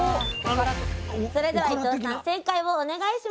それでは伊藤さん正解をお願いします！